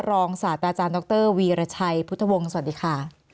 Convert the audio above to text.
รองศาสตราจารย์ดรวีรชัยพุทธวงศ์สวัสดีค่ะ